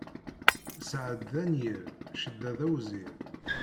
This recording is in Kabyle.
Sseɛd d anyir, cedda d awzir.